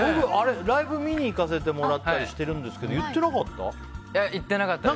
ライブ見に行かせてもらったりしてるんですけど言ってなかったです。